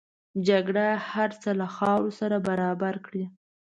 جګړه هر څه له خاورو سره برابر کړي